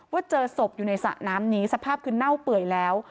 เจอศพอยู่ในสระน้ำนี้สภาพคือเน่าเปื่อยแล้ว